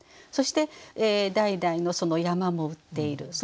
そして代々の山も売っている。